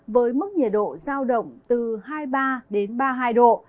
với mức nhiệt độ giao động từ hai mươi ba đến ba mươi hai độ